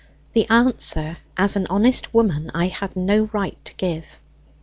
That answer, as an honest woman, I had no right to give.